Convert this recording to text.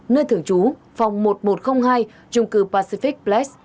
nơi thường trú phòng một nghìn một trăm linh hai trung cư pacific place